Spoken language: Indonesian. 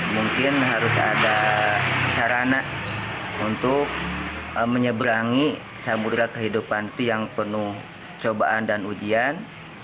mungkin harus ada sarana untuk menyeberangi samudera kehidupan itu yang penuh cobaan dan ujian